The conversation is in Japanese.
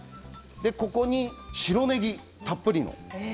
ここに、白ねぎをたっぷり。